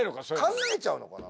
考えちゃうのかな。